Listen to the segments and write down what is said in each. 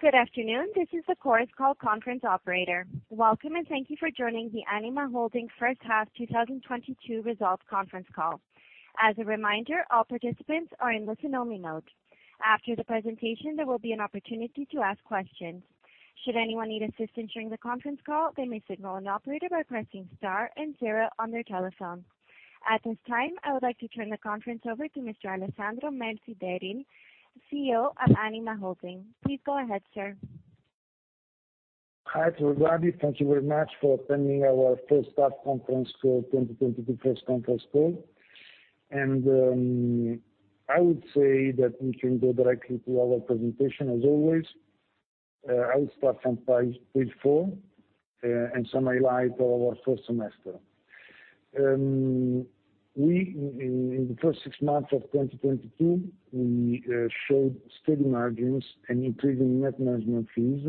Good afternoon. This is the Chorus Call conference operator. Welcome, and thank you for joining the Anima Holding First Half 2022 Results Conference Call. As a reminder, all participants are in listen-only mode. After the presentation, there will be an opportunity to ask questions. Should anyone need assistance during the conference call, they may signal an operator by pressing star and zero on their telephone. At this time, I would like to turn the conference over to Mr. Alessandro Melzi d'Eril, CEO of Anima Holding. Please go ahead, sir. Hi to everybody. Thank you very much for attending our first half conference call, 2022 first conference call. I would say that we can go directly to our presentation as always. I will start from page four and summarize our first semester. In the first six months of 2022, we showed steady margins and improving net management fees.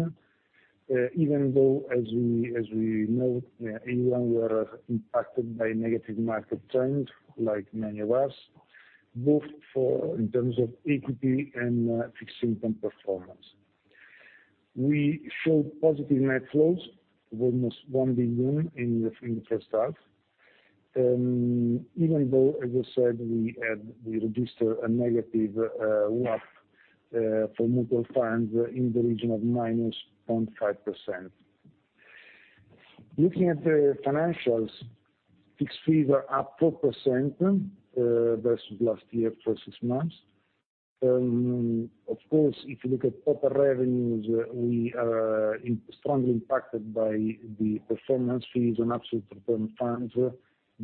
Even though, as we know, AUM were impacted by negative market trends like many of us, both in terms of equity and fixed income performance. We showed positive net flows of almost 1 billion in the first half. Even though, as I said, we registered a negative WAP for mutual funds in the region of -0.5%. Looking at the financials, fixed fees are up 4% versus last year for six months. Of course, if you look at total revenues, we are strongly impacted by the performance fees on absolute return funds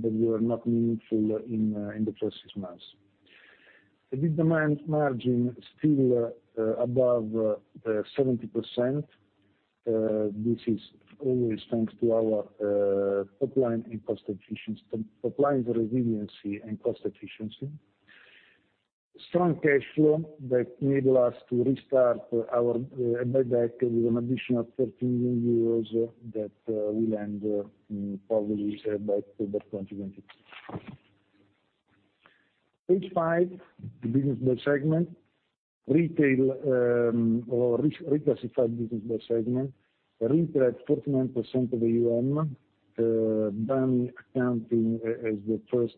that were not meaningful in the first six months. Net income margin still above 70%. This is always thanks to our top line and cost efficiency. Top line resiliency and cost efficiency. Strong cash flow that enable us to restart our buyback with an additional 13 million euros that we'll end probably by 2026. Page five, the business by segment. Retail or Reclassified business by segment. Retail at 49% of AUM, banks accounting as the first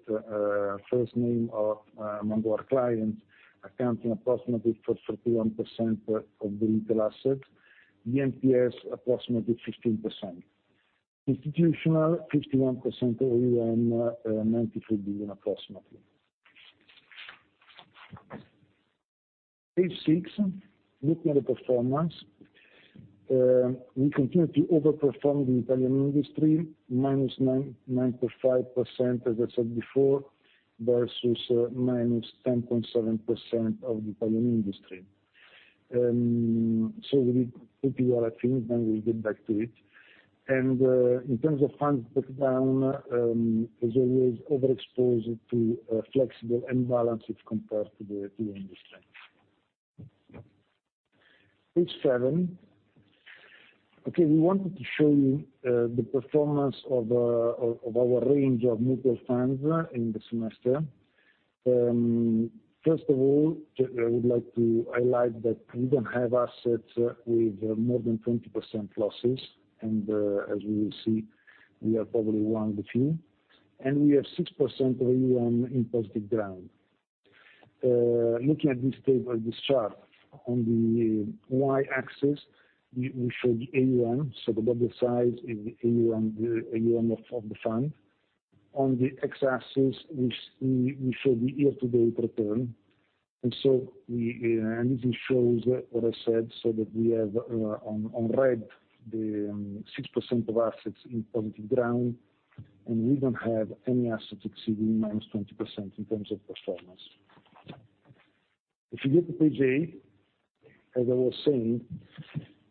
among our clients, accounting approximately for 41% of the total assets. BNP's approximately 15%. Institutional, 51% AUM, EUR 93 billion approximately. Page six, looking at the performance. We continue to overperform the Italian industry, -9.5%, as I said before, versus -10.7% of Italian industry. So we then we'll get back to it. In terms of funds breakdown, as always, overexposed to flexible and balanced if compared to the industry. Page seven. Okay, we wanted to show you the performance of our range of mutual funds in the semester. First of all, I would like to highlight that we don't have assets with more than 20% losses, and as we will see, we are probably one of the few. We have 6% of AUM in positive ground. Looking at this table. This chart. On the y-axis, we show the AUM, so the size of the AUM, of the fund. On the x-axis, we show the year-to-date return. This shows what I said, so that we have on red the 6% of assets in positive ground, and we don't have any assets exceeding -20% in terms of performance. If you go to page 8, as I was saying,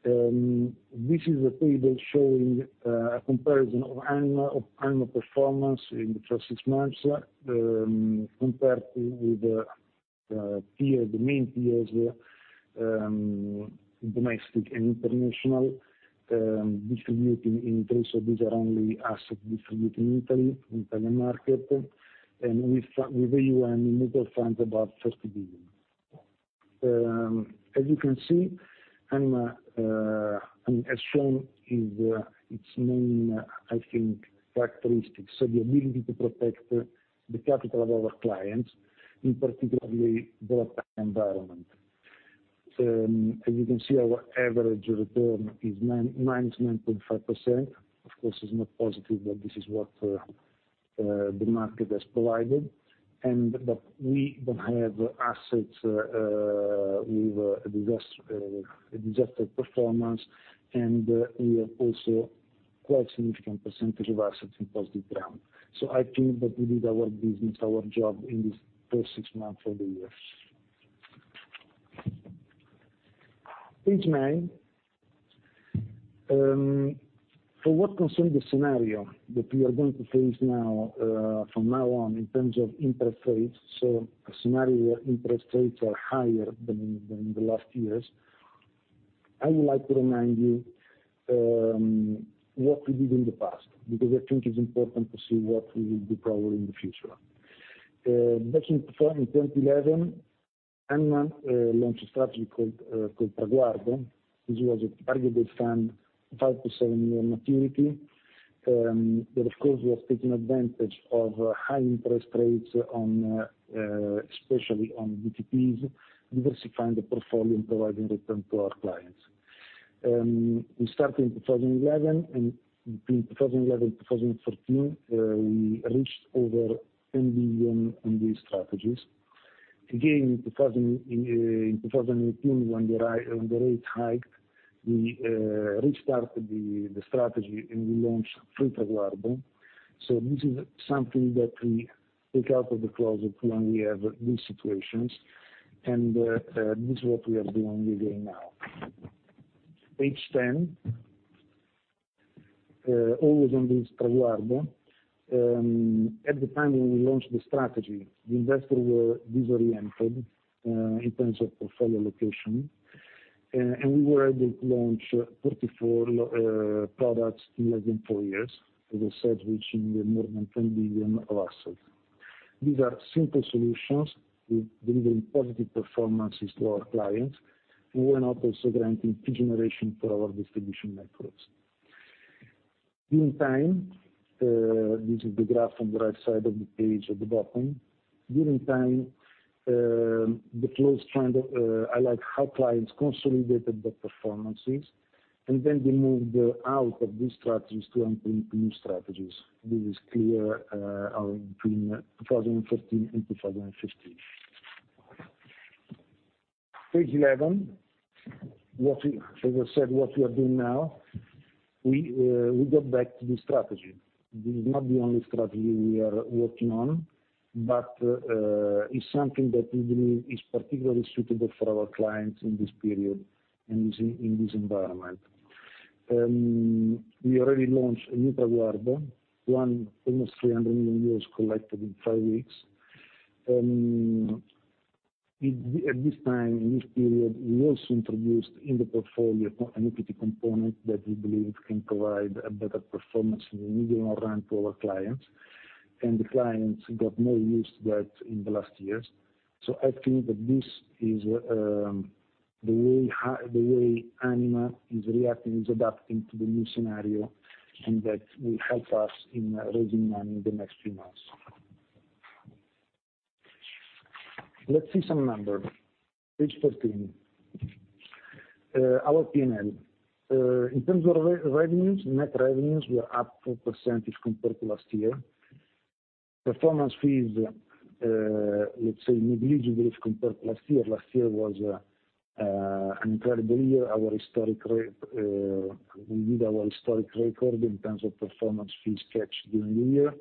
this is a table showing a comparison of Anima, of Anima performance in the first six months, compared with the main peers, domestic and international, distributing in terms of these are only assets distributed in Italy, in Italian market, and with AUM mutual funds above 30 billion. As you can see, Anima has shown its main, I think, characteristics. The ability to protect the capital of our clients, in particularly volatile environment. As you can see, our average return is -9.5%. Of course it's not positive, but this is what the market has provided. But we don't have assets with a disastrous performance. We have also quite significant percentage of assets in positive ground. I think that we did our job in this first six months of the year. Page nine. For what concerns the scenario that we are going to face now, from now on in terms of interest rates, so a scenario where interest rates are higher than in the last years, I would like to remind you what we did in the past, because I think it's important to see what we will do probably in the future. Back in 2011, Anima launched a strategy called Traguardo, which was a targeted fund, five to seven-year maturity. But of course, we are taking advantage of high interest rates on, especially on BTPs, diversifying the portfolio and providing return to our clients. We started in 2011, and between 2011 and 2014, we reached over 10 billion in these strategies. Again, in 2018, when the rates hiked, we restarted the strategy, and we launched Traguardo. This is something that we take out of the closet when we have these situations. This is what we are doing with it now. Page 10. Always on this Traguardo. At the time when we launched the strategy, the investors were disoriented in terms of portfolio allocation. We were able to launch 34 products in less than four years, as I said, reaching more than 10 billion of assets. These are simple solutions with delivering positive performances to our clients. We're now also granting fee generation for our distribution networks. Over time, this is the graph on the right side of the page at the bottom. During that time, the close trend highlight how clients consolidated the performances, and then they moved out of these strategies to new strategies. This is clear between 2014 and 2015. Page 11. As I said, what we are doing now, we go back to this strategy. This is not the only strategy we are working on, but it's something that we believe is particularly suitable for our clients in this period and is in this environment. We already launched a new Traguardo with almost 300 million euros collected in five weeks. At this time, in this period, we also introduced in the portfolio an equity component that we believe can provide a better performance in the medium run to our clients, and the clients got more used to that in the last years. I think that this is the way Anima is reacting, is adapting to the new scenario, and that will help us in raising money in the next few months. Let's see some numbers. Page 13. Our P&L. In terms of revenues, net revenues were up 4% if compared to last year. Performance fees, let's say negligible if compared to last year. Last year was an incredible year. We did our historic record in terms of performance fees cash during the year.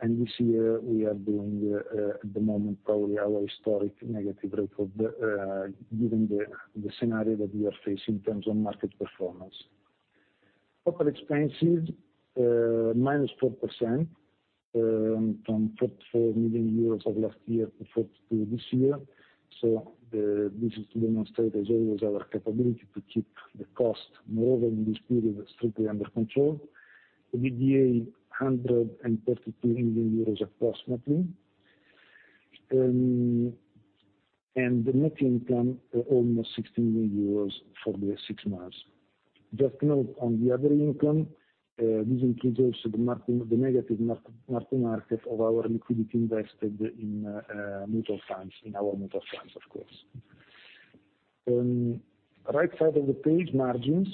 And this year we are doing, at the moment, probably our historic negative record, given the scenario that we are facing in terms of market performance. Operating expenses, -4%, from 44 million euros of last year to 42 million this year. This is to demonstrate as always our capability to keep the cost more than in this period, strictly under control. EBITDA, 132 million euros approximately. The net income almost 16 million euros for the six months. Just note on the other income, this includes also the market, the negative market of our liquidity invested in mutual funds, of course. Right side of the page, margins.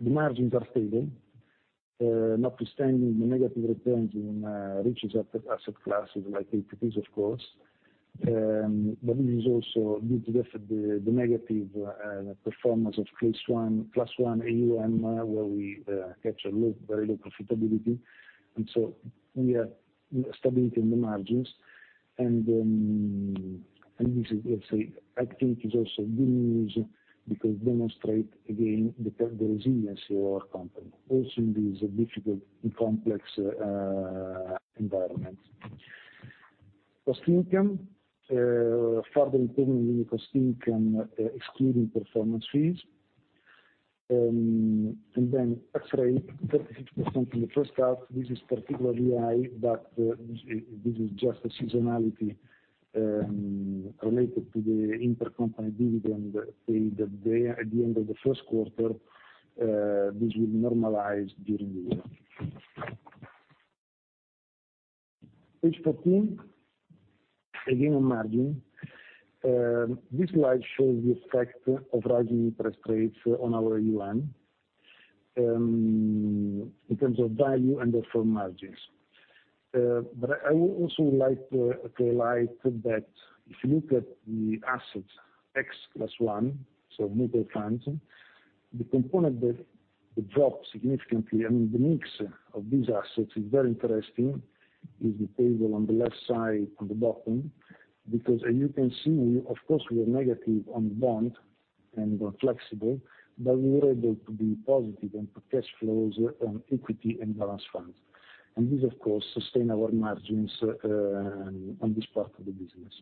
The margins are stable, notwithstanding the negative returns in various asset classes like BTPs of course. But this is also due to the fact the negative performance of Class I AUM, where we capture low, very low profitability. We have stability in the margins. This is, let's say, I think is also good news because demonstrate again the resiliency of our company also in these difficult and complex environments. Cost income. Further improvement in cost income, excluding performance fees. Then tax rate, 36% in the first half. This is particularly high, but this is just a seasonality related to the intercompany dividend paid at the end of the first quarter. This will normalize during the year. Page 14. Again, on margin. This slide shows the effect of rising interest rates on our AUM in terms of value and therefore margins. I also would like to highlight that if you look at the assets ex plus one, so mutual funds, the component that dropped significantly. I mean, the mix of these assets is very interesting, is the table on the left side on the bottom. Because as you can see, we, of course, are negative on bond and on flexible, but we were able to be positive and to cash flows on equity and balanced funds. This, of course, sustain our margins, on this part of the business.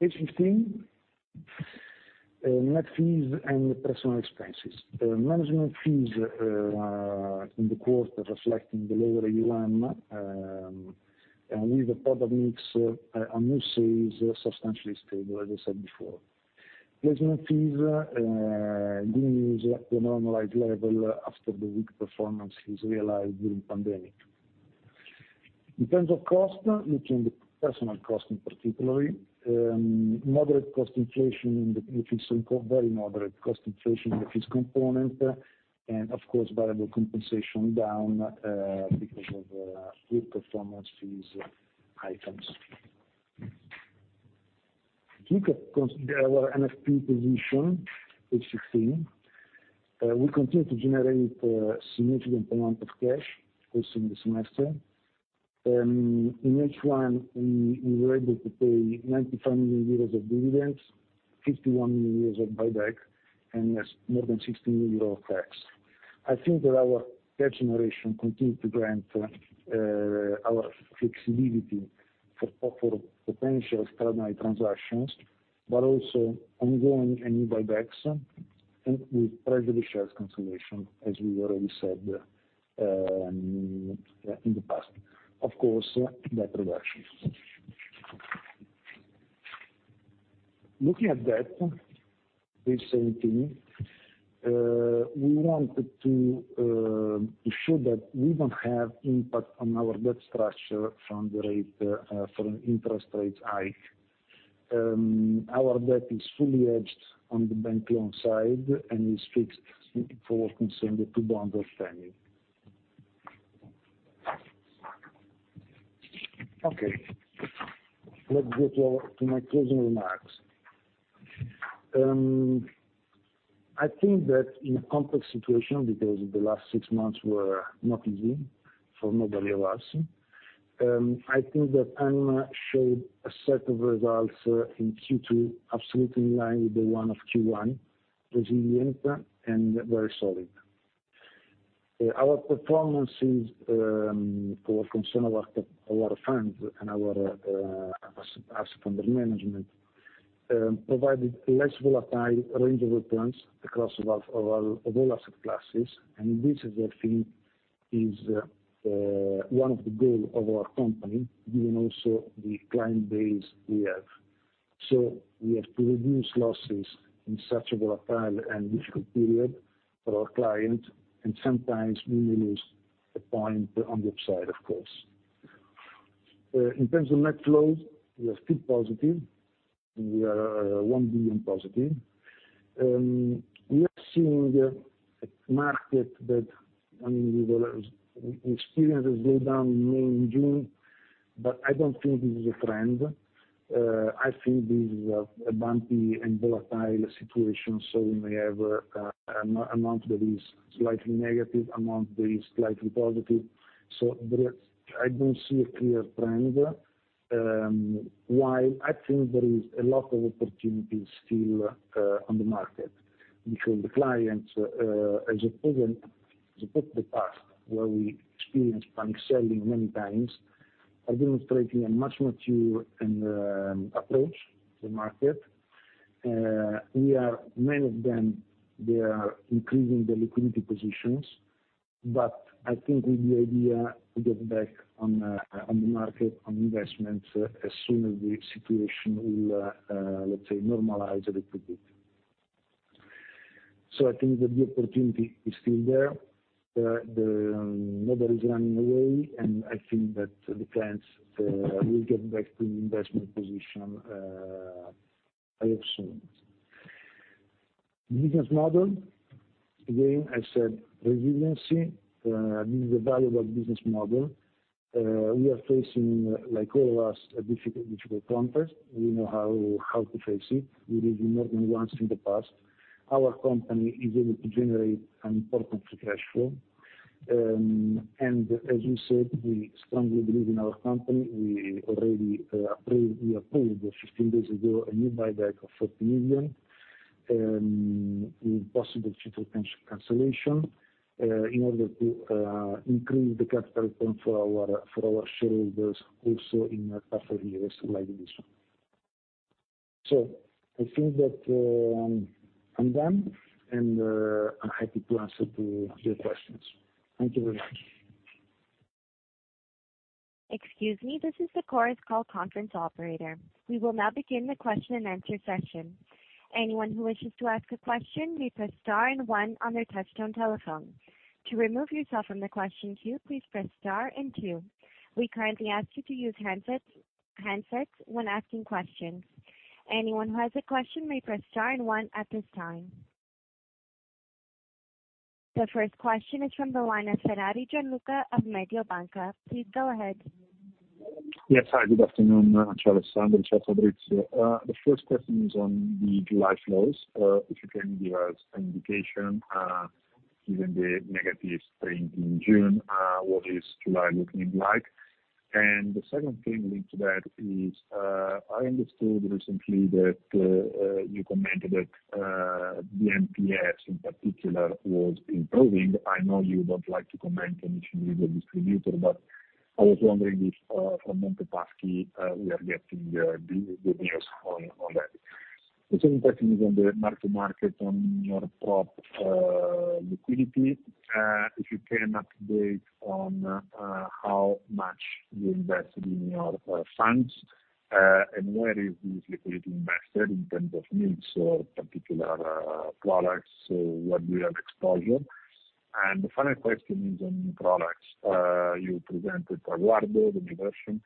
Page 15, net fees and personnel expenses. Management fees, in the quarter reflecting the lower AUM, and with the product mix, are substantially stable, as I said before. Placement fees, down to the normalized level after the weak performance is realized during pandemic. In terms of cost, looking at the personnel costs in particular, very moderate cost inflation in the fees component, and of course, variable compensation down because of weak performance fees items. If you consider our NFP position, page 16, we continue to generate significant amount of cash also in the semester. In H1, we were able to pay 95 million euros of dividends, 51 million euros of buyback, and yes, more than 16 million euros of tax. I think that our cash generation continue to grant our flexibility for offer potential external transactions, but also ongoing any buybacks and with treasury shares consolidation, as we already said in the past. Of course, debt reduction. Looking at debt, page 17, we wanted to show that we don't have impact on our debt structure from the rate, from interest rates hike. Our debt is fully hedged on the bank loan side, and is fixed as concerns the two bonds outstanding. Okay. Let's go to my closing remarks. I think that in a complex situation, because the last six months were not easy for nobody of us, I think that Anima showed a set of results in Q2 absolutely in line with the one of Q1, resilient and very solid. Our performance in terms of our funds and our assets under management provided less volatile range of returns across all of our asset classes, and this is, I think, one of the goals of our company, given also the client base we have. We have to reduce losses in such a volatile and difficult period for our clients, and sometimes we will lose a point on the upside, of course. In terms of net flows, we are still positive, and we are +1 billion. We are seeing a market that, I mean, we will experience a slowdown in May and June, but I don't think this is a trend. I think this is a bumpy and volatile situation, so we may have a month that is slightly negative, a month that is slightly positive. I don't see a clear trend, while I think there is a lot of opportunities still on the market because the clients, as opposed to the past, where we experienced panic selling many times, are demonstrating a more mature approach to the market. Many of them, they are increasing their liquidity positions, but I think with the idea to get back on the market, on investments as soon as the situation will, let's say, normalize a little bit. I think that the opportunity is still there. Nobody's running away, and I think that the clients will get back to investment position very soon. Business model. Again, I said resiliency. This is a valuable business model. We are facing, like all of us, a difficult context. We know how to face it. We did it more than once in the past. Our company is able to generate an important free cash flow. And as you said, we strongly believe in our company. We already approved 15 days ago a new buyback of 30 million with possible future potential cancellation in order to increase the capital return for our shareholders also in tougher years like this one. I think that I'm done, and I'm happy to answer your questions. Thank you very much. Excuse me. This is the Chorus Call conference operator. We will now begin the question-and-answer session. Anyone who wishes to ask a question may press star and one on their touchtone telephone. To remove yourself from the question queue, please press star and two. We kindly ask you to use handsets when asking questions. Anyone who has a question may press star and one at this time. The first question is from the line of Gianluca Ferrari of Mediobanca. Please go ahead. Yes. Hi, good afternoon, Alessandro and Fabrizio. The first question is on the July flows. If you can give us an indication, given the negative trend in June, what is July looking like? The second thing linked to that is, I understood recently that you commented that BNP's in particular was improving. I know you don't like to comment on individual distributor, but I was wondering if, from Monte Paschi, we are getting the news on that. The second question is on the mark to market on your top liquidity. If you can update on how much you invested in your funds, and where is this liquidity invested in terms of mix or particular products, so what we have exposure. The final question is on new products. You presented Traguardo, the new version.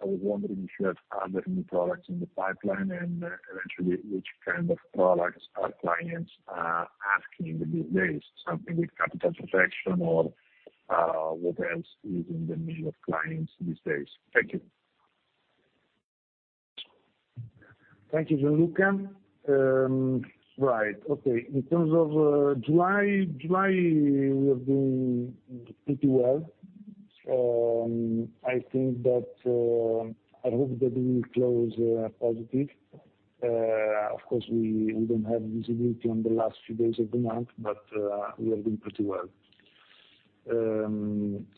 I was wondering if you have other new products in the pipeline, and eventually which kind of products are clients asking these days, something with capital protection or what else is in the need of clients these days. Thank you. Thank you, Gianluca. Right. Okay. In terms of July we have been pretty well. I think that I hope that we will close positive. Of course, we don't have visibility on the last few days of the month, but we are doing pretty well.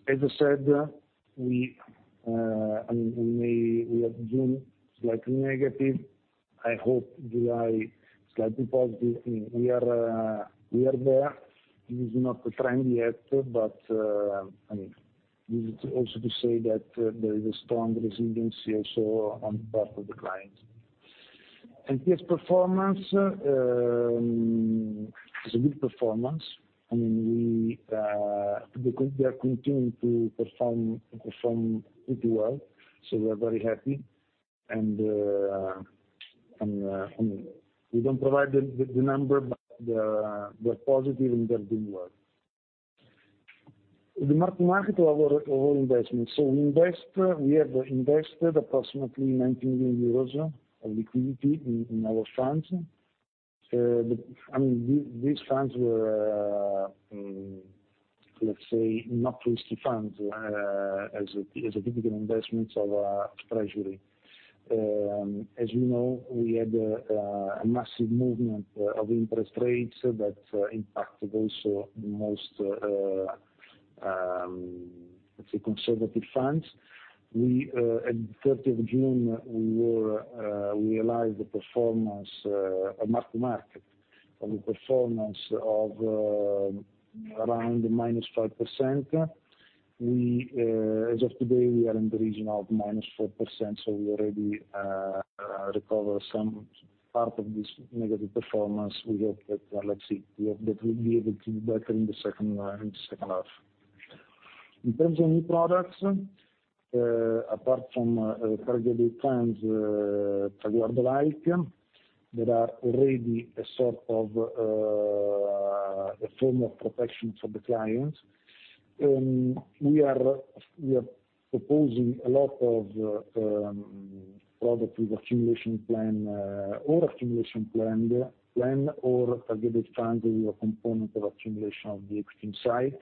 As I said, I mean, in May, we had June slightly negative. I hope July slightly positive. I mean, we are there. It is not a trend yet, but I mean, this is also to say that there is a strong resiliency also on behalf of the client. BNP's performance is a good performance. I mean, they are continuing to perform pretty well, so we are very happy. I mean, we don't provide the number, but they are positive, and they are doing well. The mark to market of our investments. We invest, we have invested approximately 19 million euros of liquidity in our funds. I mean, these funds were, let's say, not risky funds, as a typical investments of treasury. As you know, we had a massive movement of interest rates that impacted also most, let's say, conservative funds. At 30th of June, we were, we realized the performance of mark to market of a performance of around -5%. As of today, we are in the region of -4%, so we already recover some part of this negative performance. We hope that we'll be able to do better in the second half. In terms of new products, apart from targeted plans, Traguardo-like, there are already a sort of a form of protection for the clients. We are proposing a lot of products with accumulation plan or targeted plans with a component of accumulation on the extreme side.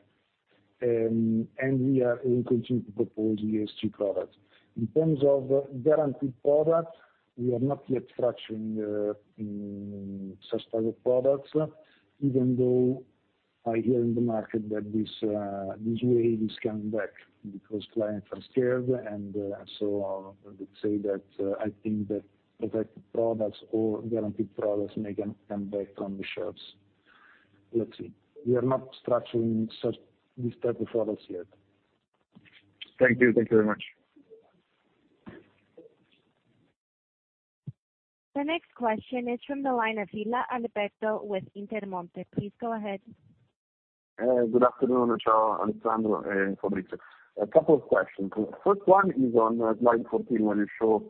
We continue to propose ESG products. In terms of guaranteed products, we are not yet structuring such type of products, even though I hear in the market that this wave is coming back because clients are scared, and so let's say that I think that protected products or guaranteed products may come back on the shelves. Let's see. We are not structuring such, this type of products yet. Thank you. Thank you very much. The next question is from the line of Villa Alberto with Intermonte. Please go ahead. Good afternoon. Ciao, Alessandro and Fabrizio. A couple of questions. First one is on slide 14, where you show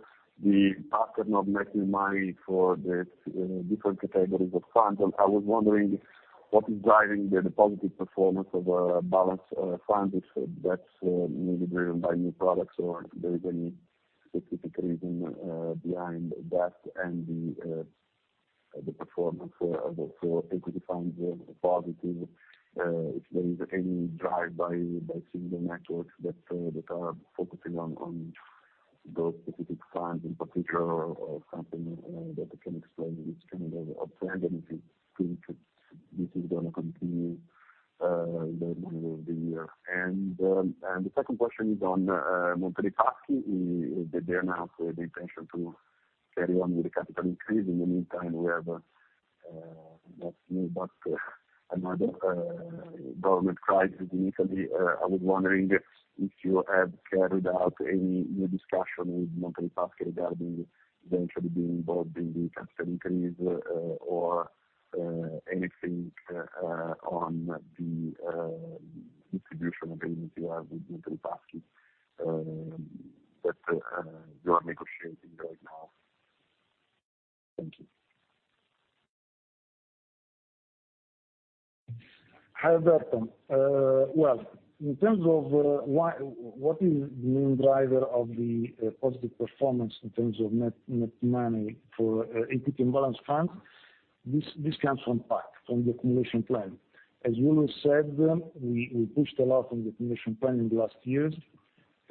the pattern of net new money for the different categories of funds. I was wondering what is driving the positive performance of balanced funds, if that's mainly driven by new products, or if there is any specific reason behind that and the performance for equity funds positive, if there is any driven by single networks that are focusing on those specific funds in particular, or something that you can explain which can have a trend and if this is gonna continue the year. The second question is on Monte dei Paschi. They announced the intention to carry on with the capital increase. In the meantime, we have not new, but another government crisis in Italy. I was wondering if you have carried out any new discussion with Monte dei Paschi regarding eventually being involved in the capital increase, or anything on the distribution agreement you have with Monte dei Paschi that you are negotiating right now. Thank you. Hi, Alberto. Well, in terms of why what is the main driver of the positive performance in terms of net money for equity and balanced funds, this comes from PAC, from the accumulation plan. As Ugo said, we pushed a lot on the accumulation plan in the last years.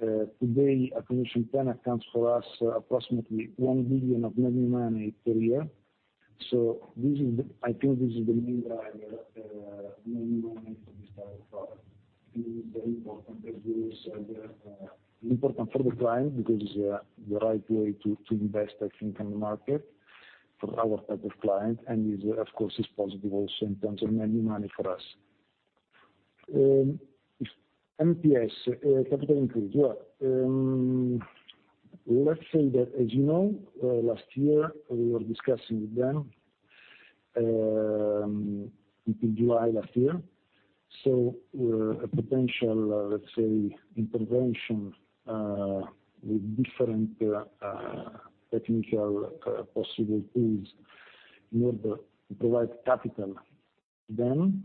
Today, accumulation plan accounts for us approximately 1 billion of net new money per year. This is the, I think this is the main driver, main money for this type of product. It is very important that this important for the client because the right way to invest, I think, in the market for our type of client and is, of course, possible also in terms of making money for us. MPS capital increase. Well, let's say that, as you know, last year we were discussing with them in July last year. We're a potential, let's say intervention with different technical possible tools in order to provide capital to them.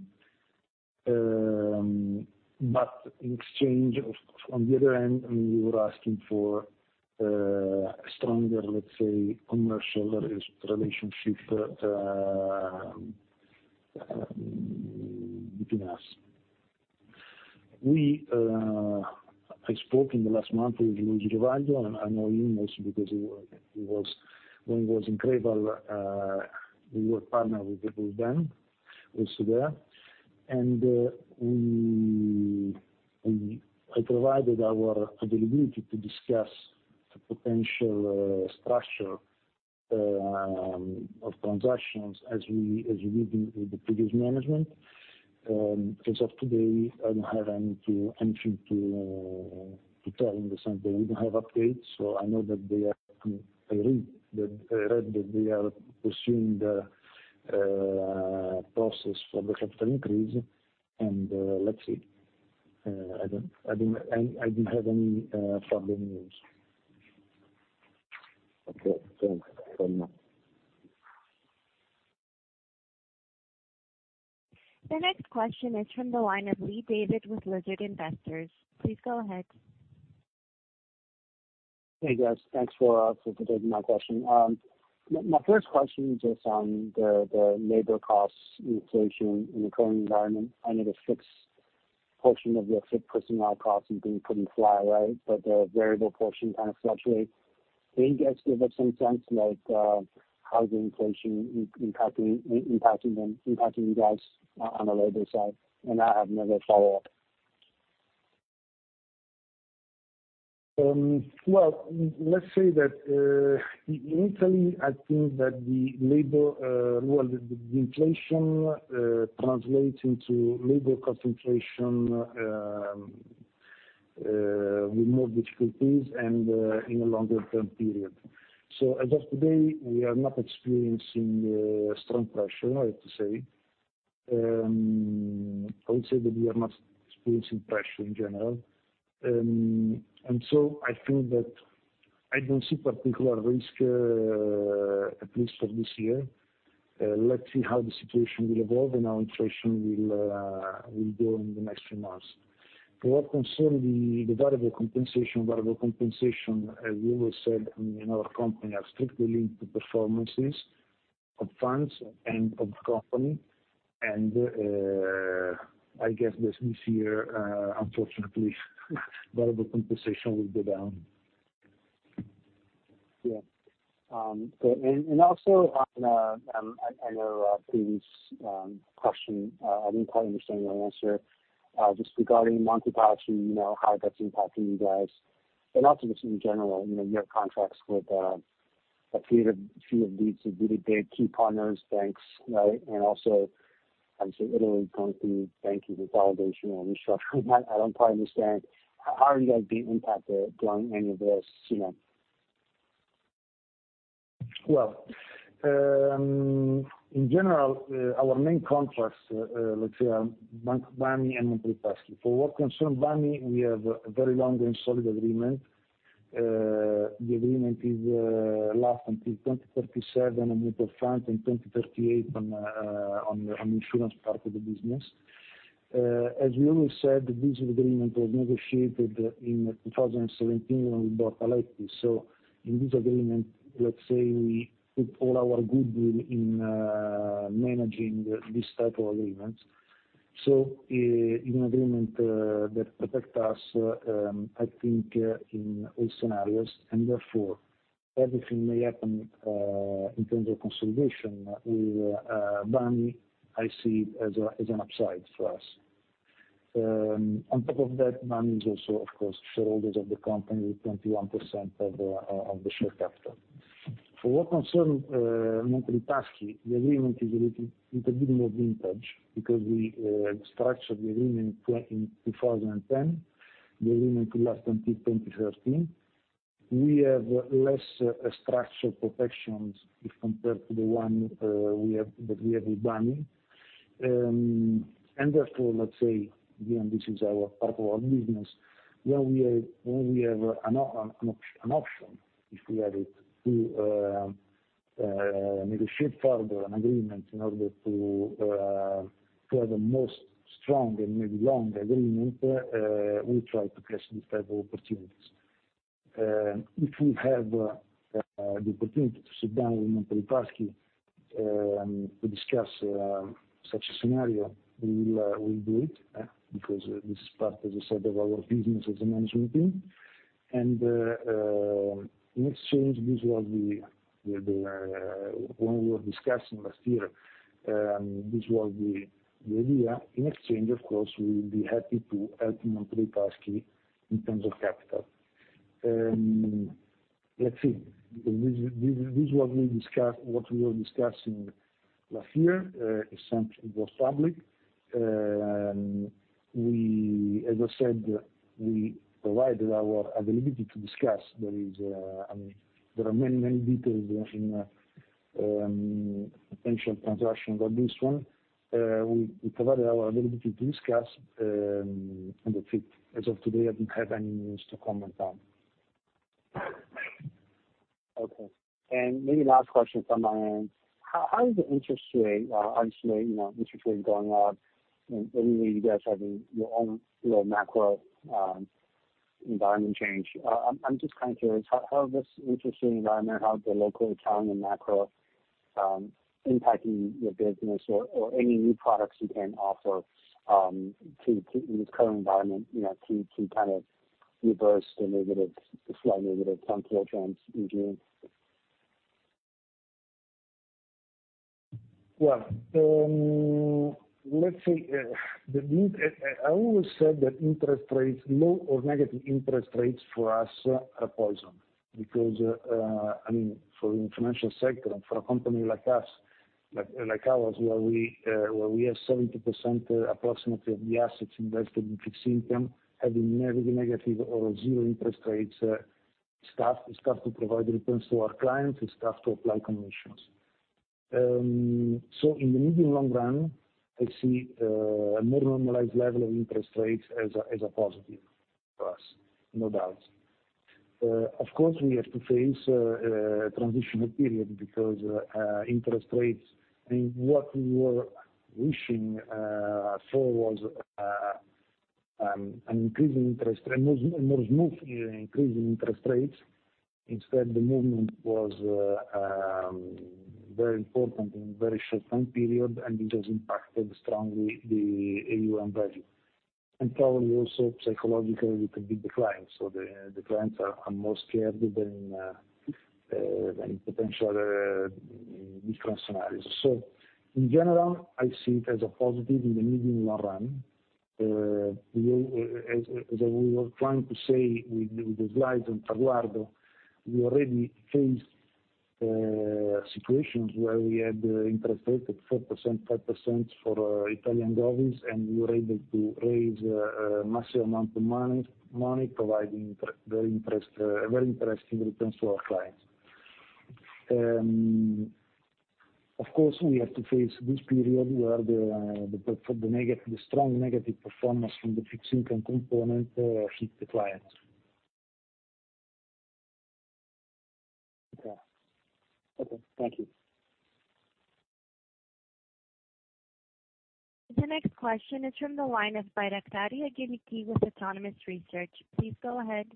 In exchange for, on the other hand, we were asking for a stronger, let's say, commercial relationship between us. I spoke in the last month with Luigi Lovaglio, and I know him also because he was when he was in Creval, we were partner with them also there. I provided our availability to discuss the potential structure of transactions as we did with the previous management. As of today, I don't have anything to tell in the sense that we don't have updates. I know that they are. I mean, I read that they are pursuing the process for the capital increase, and let's see. I didn't have any further news. Okay. Thanks very much. The next question is from the line of Lee David with Lucid Investors. Please go ahead. Hey, guys. Thanks for taking my question. My first question is just on the labor costs inflation in the current environment. I know the fixed portion of your fixed personnel costs, you couldn't fly, right? But the variable portion kind of fluctuates. Can you guys give us some sense like how the inflation impacting them, impacting you guys on the labor side? And I have another follow-up. Let's say that initially, I think that the labor, well, the inflation translates into labor concentration with more difficulties and in a longer term period. As of today, we are not experiencing strong pressure, I have to say. I would say that we are not experiencing pressure in general. I feel that I don't see particular risk at least for this year. Let's see how the situation will evolve, and our inflation will go in the next few months. For what concern the variable compensation. Variable compensation, as we always said in our company, are strictly linked to performances of funds and of the company. I guess this year, unfortunately, variable compensation will go down. Yeah. So, also on, I know previous question, I didn't quite understand your answer just regarding Monte Paschi, you know, how that's impacting you guys. Also just in general, you know, you have contracts with a few of these really big key partners, banks, right? Also, obviously, Italy going through banking consolidation and restructuring. I don't quite understand how are you guys being impacted during any of this, you know? Well, in general, our main contracts, let's say are Banco BPM and Monte dei Paschi. For what concerns BPM, we have a very long and solid agreement. The agreement lasts until 2037 on mutual fund and 2038 on insurance part of the business. As we always said, this agreement was negotiated in 2017 when we bought Aletti. In this agreement, let's say we put all our goodwill in managing this type of agreements. It's an agreement that protects us, I think, in all scenarios, and therefore, everything may happen in terms of consolidation with BPM, I see as an upside for us. On top of that, BPM is also, of course, shareholder of the company with 21% of the share capital. For what concerns Monte dei Paschi, the agreement is a little bit more vintage because we structured the agreement in 2010. The agreement will last until 2030. We have less structural protections if compared to the one we have with BPM. Therefore, let's say, again, this is part of our business. When we have an option, if we have it, to negotiate further an agreement in order to have a most strong and maybe longer agreement, we try to catch this type of opportunities. If we have the opportunity to sit down with Monte dei Paschi to discuss such a scenario, we will. We'll do it because this is part, as I said, of our business as a management team. In exchange, this was the idea when we were discussing last year. In exchange, of course, we will be happy to help Monte dei Paschi in terms of capital. Let's see. This, what we were discussing last year. It was public. As I said, we provided our availability to discuss. I mean, there are many details in a potential transaction, but this one, we provided our availability to discuss, and that's it. As of today, I didn't have any news to comment on. Okay. Maybe last question from my end. How is the interest rate, obviously, you know, interest rates going up, and obviously you guys having your own, you know, macro, environment change. I'm just kind of curious, how this interest rate environment, how the local Italian macro, impacting your business or any new products you can offer to in this current environment, you know, to kind of reverse the negative, the slight negative trends in June? Well, let's say, I always said that interest rates, low or negative interest rates for us are poison because, I mean, for the financial sector and for a company like us, like ours, where we have 70% approximately of the assets invested in fixed income, having negative or zero interest rates, it's tough. It's tough to provide returns to our clients. It's tough to apply commissions. In the medium long run, I see a more normalized level of interest rates as a positive for us, no doubt. Of course, we have to face a transitional period because, interest rates, I mean, what we were wishing for was an increase in interest rate, a more smooth increase in interest rates. Instead, the movement was very important in a very short time period, and it has impacted strongly the AUM value. Probably also psychologically to the clients. The clients are more scared than potential different scenarios. In general, I see it as a positive in the medium long run. We will, as we were trying to say with the slides on Traguardo, we already faced situations where we had interest rates at 4%, 5% for Italian governments, and we were able to raise a massive amount of money providing very interesting returns to our clients. Of course, we have to face this period where the strong negative performance from the fixed income component hit the clients. Okay. Okay, thank you. The next question is from the line of Bairaktari Angeliki with Autonomous Research. Please go ahead.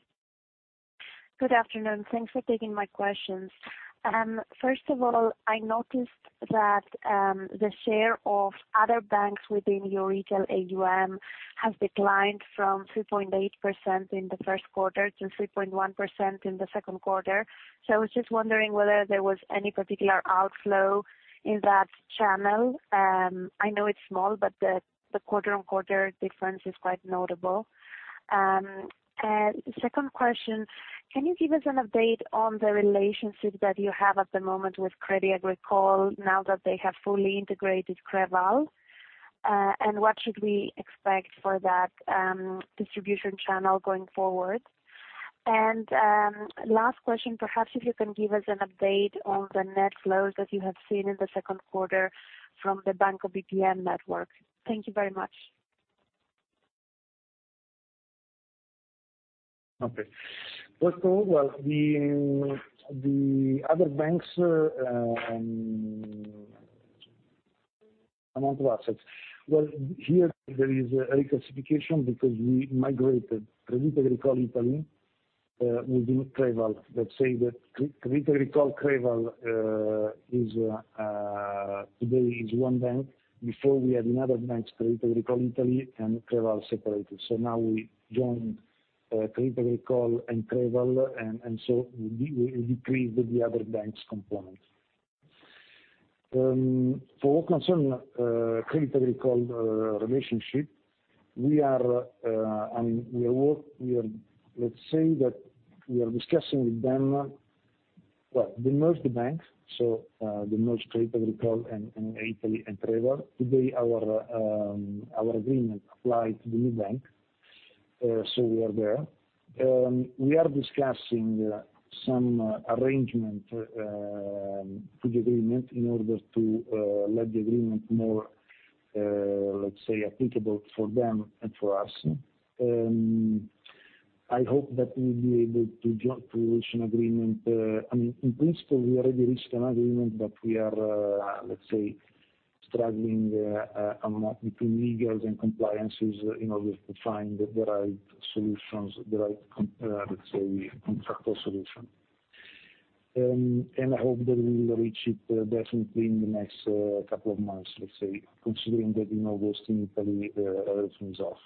Good afternoon. Thanks for taking my questions. First of all, I noticed that the share of other banks within your retail AUM has declined from 3.8% in the first quarter to 3.1% in the second quarter. I was just wondering whether there was any particular outflow in that channel. I know it's small, but the quarter-on-quarter difference is quite notable. Second question, can you give us an update on the relationship that you have at the moment with Crédit Agricole now that they have fully integrated Creval? What should we expect for that distribution channel going forward? Last question, perhaps if you can give us an update on the net flows that you have seen in the second quarter from the Banco BPM network. Thank you very much. Okay. First of all, the other banks amount of assets. Well, here there is a reclassification because we migrated Crédit Agricole Italia within Creval. Let's say that Crédit Agricole Creval is today one bank. Before we had another bank, Crédit Agricole Italia, and Creval separated. Now we joined Crédit Agricole and Creval, and so we decreased the other banks component. For what concern Crédit Agricole relationship, we are, let's say that we are discussing with them. Well, they merged the banks, so they merged Crédit Agricole and Italia and Creval. Today, our agreement apply to the new bank, so we are there. We are discussing some arrangement to the agreement in order to let the agreement more, let's say applicable for them and for us. I hope that we'll be able to to reach an agreement. I mean, in principle, we already reached an agreement, but we are, let's say struggling between legals and compliances in order to find the right solutions, the right, let's say contractual solution. I hope that we will reach it definitely in the next couple of months, let's say, considering that in August in Italy everything's off.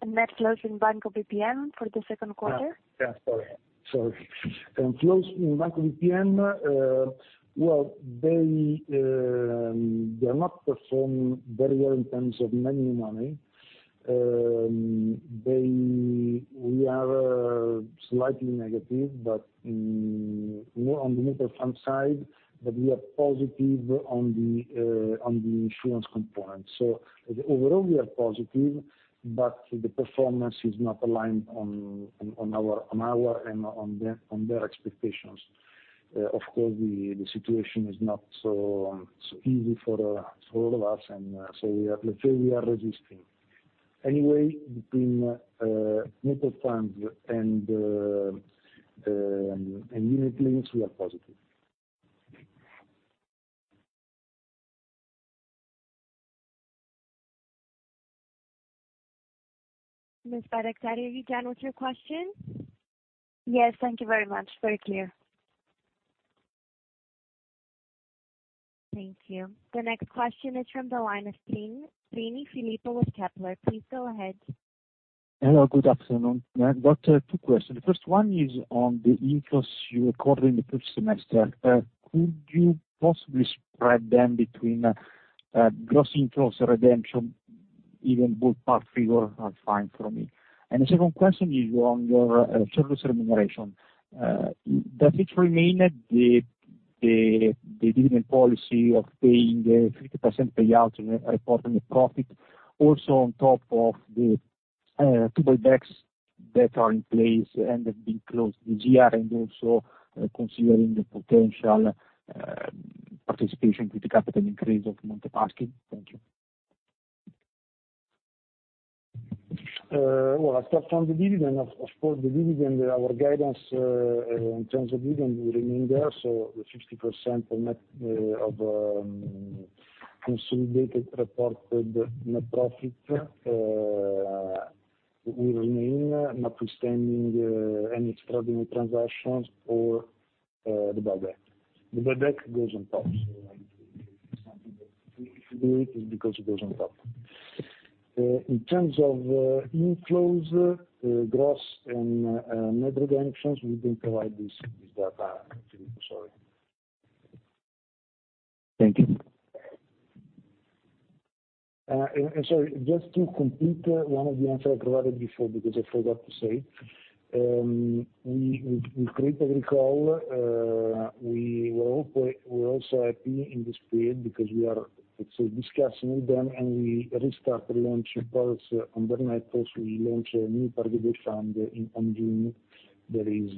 What was the other question? Net flows in Banco BPM for the second quarter. Yeah, sorry. Flows in Banco BPM, well, they are not performing very well in terms of managing money. We are slightly negative, but more on the mutual fund side, but we are positive on the insurance component. Overall, we are positive, but the performance is not aligned on our and their expectations. Of course, the situation is not so easy for all of us, so we are, let's say, resisting. Anyway, between mutual funds and unit links, we are positive. Ms. Bairaktari, are you done with your questions? Yes, thank you very much. Very clear. Thank you. The next question is from the line of Prini Filippo with Kepler. Please go ahead. Hello, good afternoon. I've got two questions. The first one is on the inflows you recorded in the first semester. Could you possibly spread them between gross inflows, redemption? Even both parts figures are fine for me. The second question is on your service remuneration. Does it remain at the dividend policy of paying the 50% payout in reported net profit? Also on top of the two buybacks that are in place and have been closed this year, and also considering the potential participation with the capital increase of Monte Paschi? Thank you. Well, I'll start from the dividend. Of course, the dividend, our guidance in terms of dividend will remain there. The 50% of net, consolidated reported net profit, will remain notwithstanding any extraordinary transactions or the buyback. The buyback goes on top. If we do it is because it goes on top. In terms of inflows, gross and net redemptions, we didn't provide this data, Prini. Sorry. Thank you. Sorry, just to complete one of the answers I provided before because I forgot to say. We're also happy in this period because we are, let's say, discussing with them and we restart to launch products on their networks. We launched a new private fund on June that is,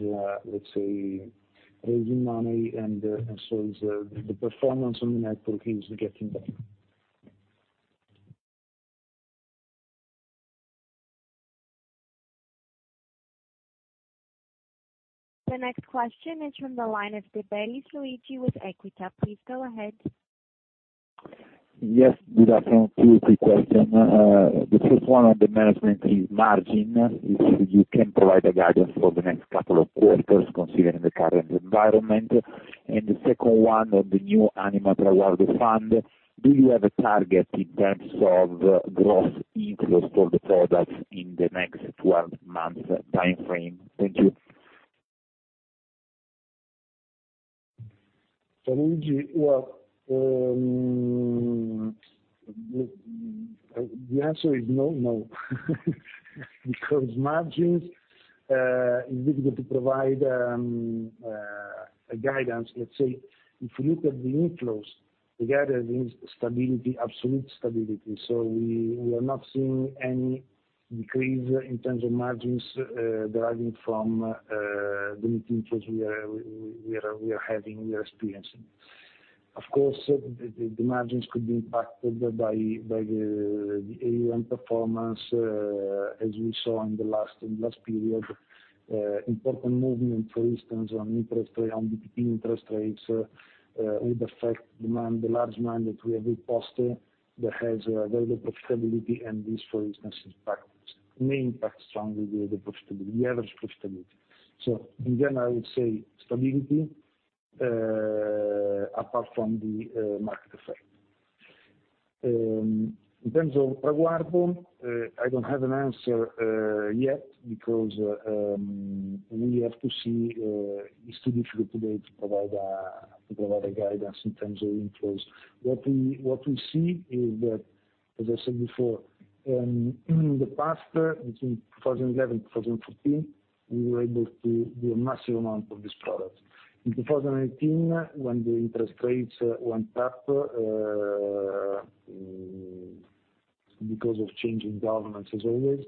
let's say, raising money and so is the performance on the network is getting better. The next question is from the line of Luigi De Bellis with Equita. Please go ahead. Yes, good afternoon. Two or three questions. The first one on the management fee margin. If you can provide guidance for the next couple of quarters considering the current environment. The second one on the new Anima Traguardo fund, do you have a target in terms of gross inflows for the products in the next 12-month timeframe? Thank you. Luigi, the answer is no. Margins is difficult to provide a guidance. Let's say, if you look at the inflows, we are having stability, absolute stability. We are not seeing any decrease in terms of margins deriving from the new inflows we are experiencing. Of course, the margins could be impacted by the AUM performance, as we saw in the last period. Important movement, for instance, on interest rate, on BTP interest rates, would affect demand, the large demand that we have posted that has a very low profitability and this, for instance, impact, may impact strongly the profitability, the average profitability. In general, I would say stability apart from the market effect. In terms of Traguardo, I don't have an answer yet because we have to see. It's too difficult today to provide a guidance in terms of inflows. What we see is that, as I said before, in the past, between 2011 to 2015, we were able to do a massive amount of this product. In 2018, when the interest rates went up because of changing governments as always,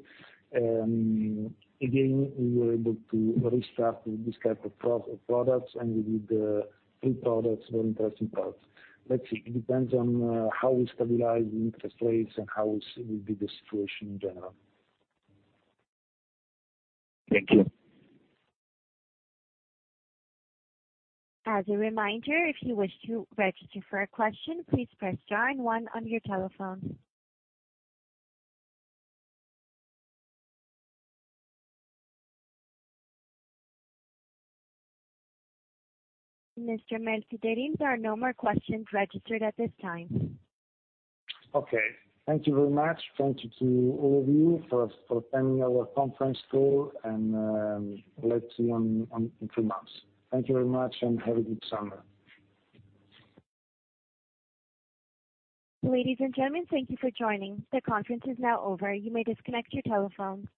again, we were able to restart with this type of products, and we did three products, very interesting products. Let's see. It depends on how we stabilize the interest rates and how it will be the situation in general. Thank you. As a reminder, if you wish to register for a question, please press star and one on your telephone. Mr. Melzi d'Eril, there are no more questions registered at this time. Okay. Thank you very much. Thank you to all of you for attending our conference call and let's see on in three months. Thank you very much and have a good summer. Ladies and gentlemen, thank you for joining. The conference is now over. You may disconnect your telephones.